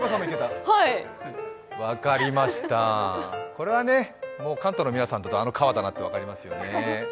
これは関東の皆さんだとあの川だと分かりますよね。